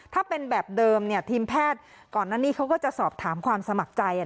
ถ้าเป็นแบบเดิมทีมแพทย์ก่อนนั้นนี่เขาก็จะสอบถามความสมัครใจ